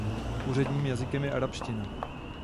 Úředním jazykem je arabština.